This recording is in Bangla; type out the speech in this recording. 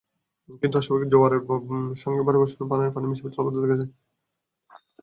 কিন্তু অস্বাভাবিক জোয়ারের সঙ্গে ভারী বর্ষণের পানি মিশে জলাবদ্ধতা দেখা দেয়।